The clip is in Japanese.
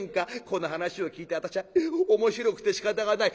この話を聞いて私は面白くてしかたがない。